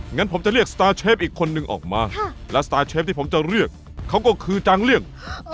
งั้นผมจะเรียกสตาร์เชฟอีกคนนึงออกมาและสตาร์เชฟที่ผมจะเรียกเขาก็คือจางเลี่ยง